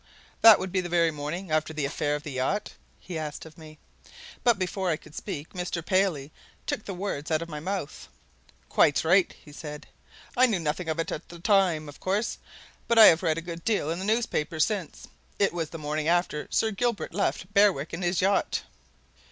"That would be the very morning after the affair of the yacht?" he asked of me. But before I could speak, Mr. Paley took the words out of my mouth. "Quite right." he said quietly. "I knew nothing of it at the time, of course, but I have read a good deal in the newspapers since. It was the morning after Sir Gilbert left Berwick in his yacht."